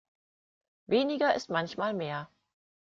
Weniger ist manchmal mehr.